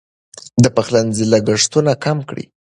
د پخلنځي لګښتونه کم کړئ.